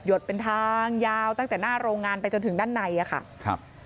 ดเป็นทางยาวตั้งแต่หน้าโรงงานไปจนถึงด้านในอะค่ะครับ